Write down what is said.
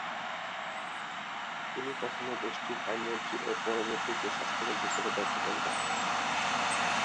তিনি প্রথমে দেশটির আইনমন্ত্রী ও পরবর্তীতে স্বাস্থ্যমন্ত্রী হিসাবে দায়িত্ব পালন করেন।